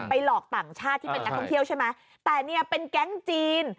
หลอกต่างชาติที่เป็นนักท่องเที่ยวใช่ไหมแต่เนี่ยเป็นแก๊งจีน